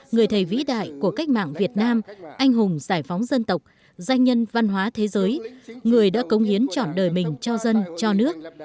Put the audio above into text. người thầy vĩ đại của cách mạng việt nam anh hùng giải phóng dân tộc danh nhân văn hóa thế giới người đã cống hiến chọn đời mình cho dân cho nước